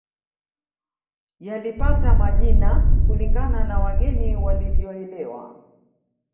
Yalipata majina kulingana na wageni walivyoelewa